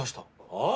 ああ？